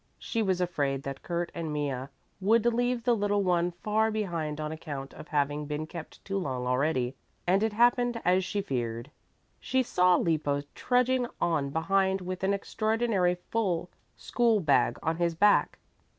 She was afraid that Kurt and Mea would leave the little one far behind on account of having been kept too long already, and it happened as she feared. She saw Lippo trudging on behind with an extraordinarily full school bag on his back.